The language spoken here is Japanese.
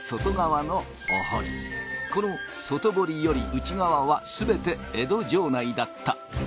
この外堀より内側はすべて江戸城内だった。